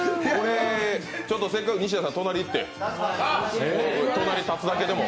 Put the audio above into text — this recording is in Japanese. せっかくだから西田さん隣に行って立つだけでも。